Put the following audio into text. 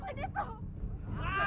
kalian semua mitnah